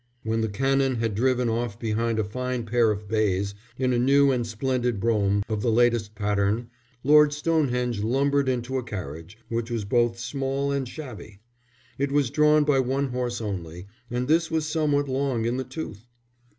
When the Canon had driven off behind a fine pair of bays, in a new and splendid brougham of the latest pattern, Lord Stonehenge lumbered into a carriage, which was both small and shabby. It was drawn by one horse only, and this was somewhat long in the tooth.